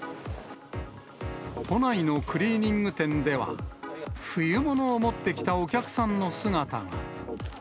都内のクリーニング店では、冬物を持ってきたお客さんの姿が。